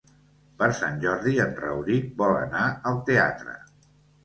Per Sant Jordi en Rauric vol anar al teatre.